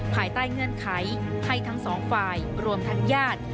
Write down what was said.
ภายใต้เงื่อนไขให้ทั้งสองฝ่ายรวมทั้งญาติ